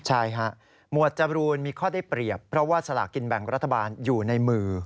ใช่ฮะหมวดจรูนมีข้อได้เปรียบเพราะว่าสลากกินแบ่งรัฐบาลอยู่ในมือ